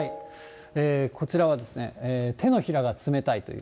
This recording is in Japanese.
こちらは手のひらが冷たいという方。